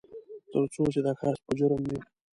ترڅو چې د ښایست په جرم مې